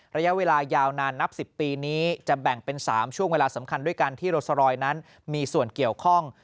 ระยะเวลายาวนานนับ๑๐ปีนี้จะแบ่งเป็น๓ช่วงเวลาสำคัญด้วยการที่โรสรอยนั้นมีส่วนเกี่ยวข้อง